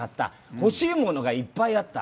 欲しいものがいっぱいあった。